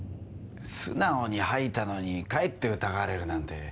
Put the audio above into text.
素直に吐いたのにかえって疑われるなんて。